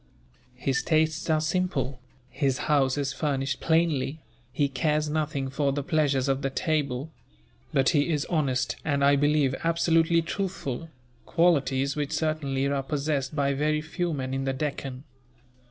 His tastes are simple, his house is furnished plainly, he cares nothing for the pleasures of the table; but he is honest and, I believe, absolutely truthful qualities which certainly are possessed by very few men in the Deccan.